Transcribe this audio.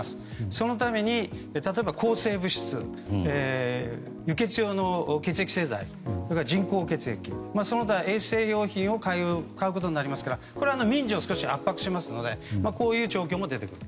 そのために、例えば抗生物質輸血用の血液製剤それから人工血液その他、衛生用品を買うことになりますから民事を少し圧迫しますのでこういう状況も出てくる。